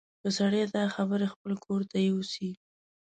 که سړی دا خبرې خپل ګور ته یوسي.